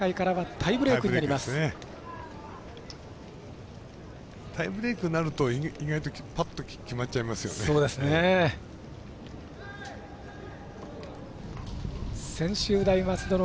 タイブレークになると意外とぱっと決まっちゃいますよね。